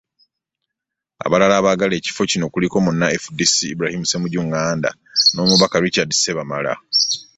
Abalala abaagala ekifo kino kuliko; munnaFDC, Ibrahim Ssemujju Nganda n’Omubaka Richard Ssebamala.